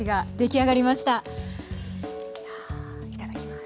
いやいただきます。